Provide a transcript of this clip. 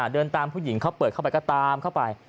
เดินตามผู้หญิงเขาเปิดเข้าไปก็ตามเข้าไป